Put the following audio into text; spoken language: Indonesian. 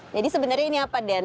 jadi sebenarnya ini apa den